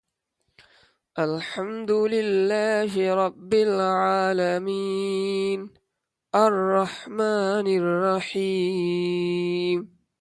David, after running into his ex-girlfriend Amy, has an emotional breakdown at work.